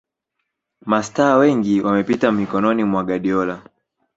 Mastaa wengi wamepita mikononi mwa Guardiola